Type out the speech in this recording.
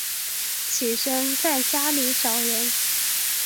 起身在家里找人